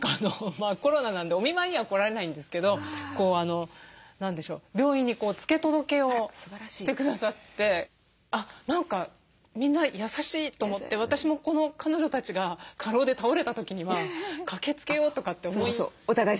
コロナなんでお見舞いには来られないんですけど何でしょう病院に付け届けをしてくださって何かみんな優しいと思って私もこの彼女たちが過労で倒れた時には駆けつけようとかって思いました。